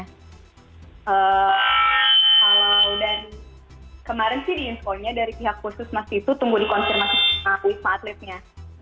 kalau dan kemarin sih diinfo nya dari pihak khusus masih itu tunggu dikonsirmasi sama wisma atletnya